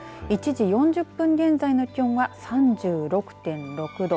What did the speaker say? １時４０分現在の気温は３６．６度。